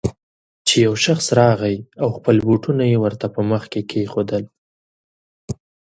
چې يو شخص راغی او خپل بوټونه يې ورته په مخ کې کېښودل.